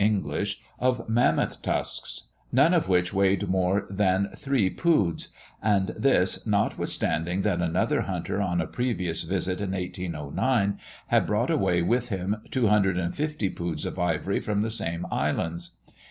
English) of Mammoth tusks, none of which weighed more than 3 poods; and this, notwithstanding that another hunter on a previous visit in 1809 had brought away with him 250 poods of ivory from the same islands.